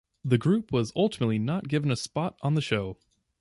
The group was ultimately not given a spot on the show.